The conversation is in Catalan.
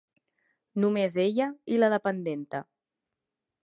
Només ella i la dependenta.